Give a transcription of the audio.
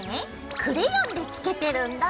クレヨンでつけてるんだ。